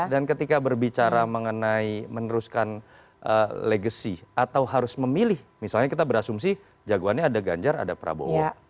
dan ketika berbicara mengenai meneruskan legacy atau harus memilih misalnya kita berasumsi jagoannya ada ganjar ada prabowo